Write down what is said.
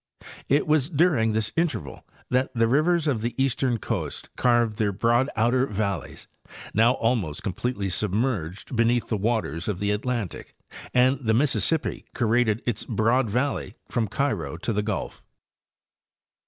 It was during this interval that the rivers of the eastern coast carved their broad outer val leys, now almost completely submerged beneath the waters of the Atlantic, and the Mississippi corraded its broad valley from Cairo to the Gulf.